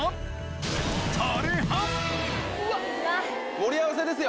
盛り合わせですよ！